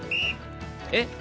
えっ？